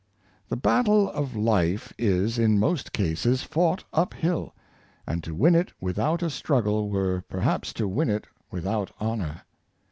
The battle of life is, in most cases, fought up hill; and to win it without a struggle were perhaps to win it without honor.